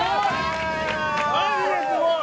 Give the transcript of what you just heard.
マジですごい！